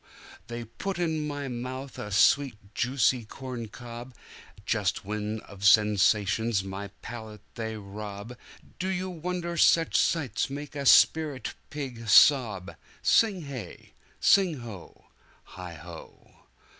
"They put in my mouth a sweet, juicy corncobJust when of sensations my palate they rob, Do you wonder such sights make a spirit pig sob!" Sing hey! sing ho! heigho!